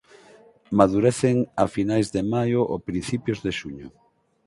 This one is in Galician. Madurecen a finais de maio ou principios de xuño.